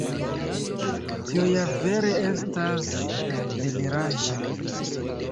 Tio ja vere estas deliraĵo.